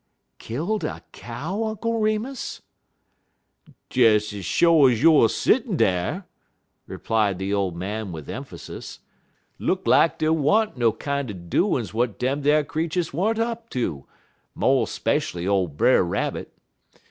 "Killed a cow, Uncle Remus?" "Des ez sho' ez youer settin' dar," replied the old man with emphasis. "Look lak dey wa'n't no kinder doin's w'at dem ar creeturs wa'n't up ter, mo' speshually ole Brer Rabbit.